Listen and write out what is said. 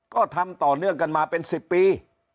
ก็ทำต่อเนื่องกันมาเป็น๑๐ปี